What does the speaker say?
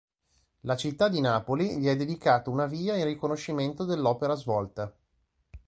La città di Napoli gli ha dedicato una via in riconoscimento dell'opera svolta.